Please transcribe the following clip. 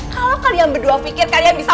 kalau kalian berdua pikir kalian bisa